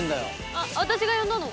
「あっ私が呼んだの」